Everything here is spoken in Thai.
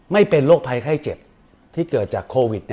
ไม่เป็นโรคภัยไข้เจ็บที่เกิดจากโควิด